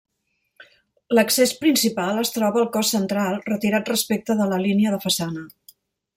L'accés principal es troba al cos central, retirat respecte de la línia de façana.